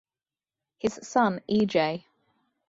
His son E. J.